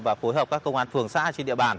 và phối hợp các công an phường xã trên địa bàn